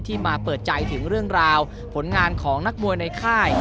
มาเปิดใจถึงเรื่องราวผลงานของนักมวยในค่าย